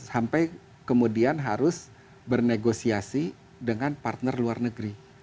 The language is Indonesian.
sampai kemudian harus bernegosiasi dengan partner luar negeri